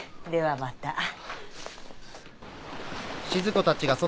ではまた。